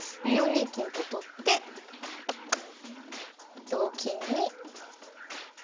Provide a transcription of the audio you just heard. ４二金と取って同金に。